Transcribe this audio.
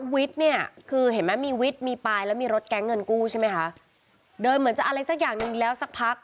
วิทย์เนี่ยคือเห็นไหมมีวิทย์มีปลายแล้วมีรถแก๊งเงินกู้ใช่ไหมคะเดินเหมือนจะอะไรสักอย่างหนึ่งแล้วสักพัก